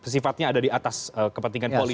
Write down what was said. sifatnya ada di atas kepentingan politik